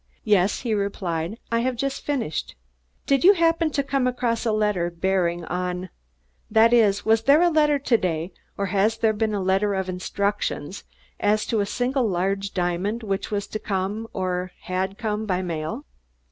"Yes," he replied. "I have just finished." "Did you happen to come across a letter bearing on that is, was there a letter to day, or has there been a letter of instructions as to a single large diamond which was to come, or had come, by mail?"